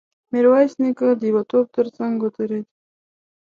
ميرويس نيکه د يوه توپ تر څنګ ودرېد.